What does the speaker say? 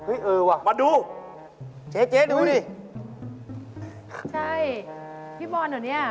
เออว่ะมาดูเจ๊เจ๊ดูดิใช่พี่บอลเหรอเนี้ย